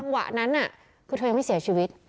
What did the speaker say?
วะนั้นคือเธอยังไม่เสียชีวิต